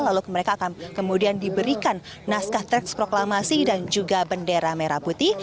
lalu mereka akan kemudian diberikan naskah teks proklamasi dan juga bendera merah putih